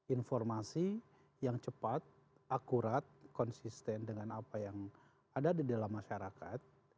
informasi yang cepat akurat konsisten dengan apa yang ada di dalam masyarakat